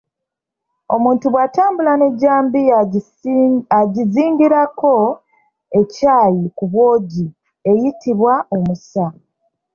Omuntu bw’atambula n’ejjambiya agizingirirako ekyayi ku bwogi ekiyitibwa omusa.